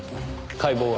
解剖は？